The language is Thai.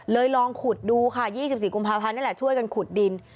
ลองขุดดูค่ะ๒๔กุมภาพันธ์นี่แหละช่วยกันขุดดิน